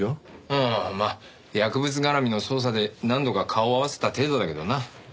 ああまあ薬物絡みの捜査で何度か顔を合わせた程度だけどな。